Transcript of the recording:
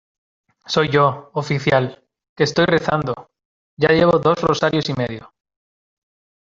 soy yo, oficial , que estoy rezando. ya llevo dos rosarios y medio .